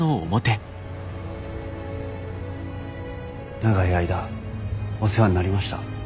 長い間お世話になりました。